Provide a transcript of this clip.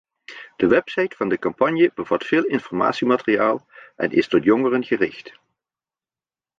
De website van de campagne bevat veel informatiemateriaal en is tot jongeren gericht.